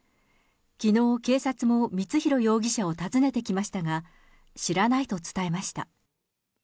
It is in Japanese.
きのう、警察も光弘容疑者を訪ねてきましたが、知らないと伝えました。